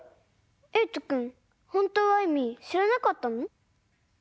えいとくんほんとうはいみしらなかったの？